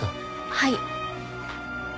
はい。